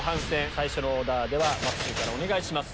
最初のオーダーまっすーからお願いします。